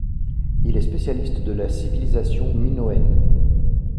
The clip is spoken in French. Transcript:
Il est spécialiste de la civilisation minoenne.